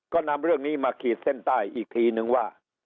ก็นำเรื่องนี้มาขีดเส้นใต้อีกทีนึงว่า